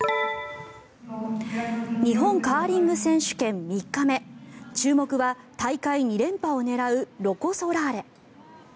日本カーリング選手権３日目注目は、大会２連覇を狙うロコ・ソラーレ。